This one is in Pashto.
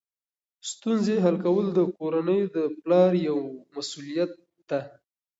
ستونزې حل کول د کورنۍ د پلار یوه مسؤلیت ده.